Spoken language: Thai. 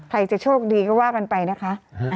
ใครจะโชคดีก็ว่ากันไปนะคะ